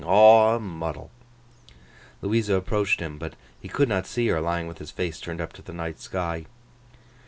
Aw a muddle!' Louisa approached him; but he could not see her, lying with his face turned up to the night sky.